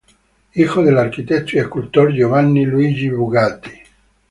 Hijo del arquitecto y escultor Giovanni Luigi Bugatti.